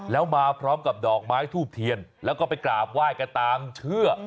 แล้วมาพร้อมกับดอกไม้ทูบเทียนแล้วก็ไปกราบไหว้กันตามเชื่อ